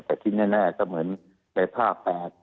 แต่ที่แน่ก็เหมือนในภาพ๘